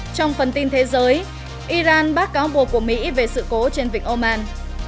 trong phần tin thế giới iran bác cáo buộc của mỹ về sự cố trên vịnh oman